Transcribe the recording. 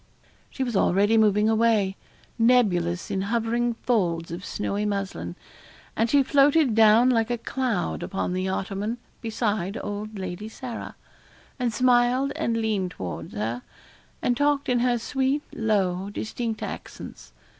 She was already moving away, nebulous in hovering folds of snowy muslin. And she floated down like a cloud upon the ottoman, beside old Lady Sarah, and smiled and leaned towards her, and talked in her sweet, low, distinct accents.